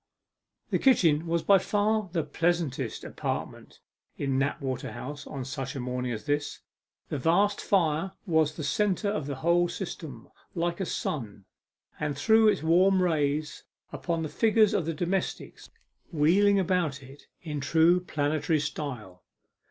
The kitchen was by far the pleasantest apartment in Knapwater House on such a morning as this. The vast fire was the centre of the whole system, like a sun, and threw its warm rays upon the figures of the domestics, wheeling about it in true planetary style.